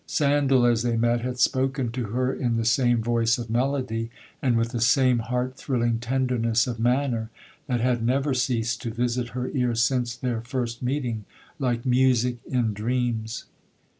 Sandal, as they met, had spoken to her in the same voice of melody, and with the same heart thrilling tenderness of manner, that had never ceased to visit her ear since their first meeting, like music in dreams.